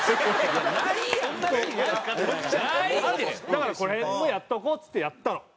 だからこの辺もやっとこうっつってやったの。